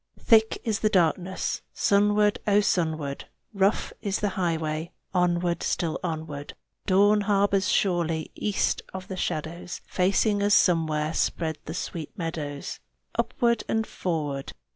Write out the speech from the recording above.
Thick is the darkness Sunward, O, sunward! Rough is the highway Onward, still onward! Dawn harbors surely East of the shadows. Facing us somewhere Spread the sweet meadows. Upward and forward!